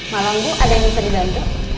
malam bu ada yang bisa dibantu